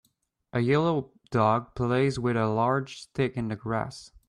A yellow dog plays with a large stick in the grass.